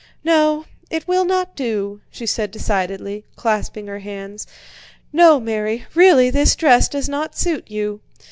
"No, it will not do," she said decidedly, clasping her hands. "No, Mary, really this dress does not suit you.